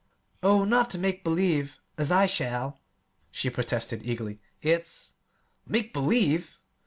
"Oh, not ter make believe, as I shall," she protested eagerly. "It's " "Make believe!"